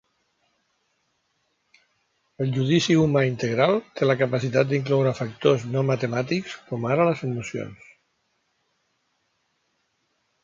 El judici humà integral té la capacitat d'incloure factors no matemàtics com ara les emocions.